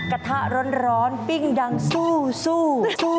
กระทะร้อนปิ้งดังสู้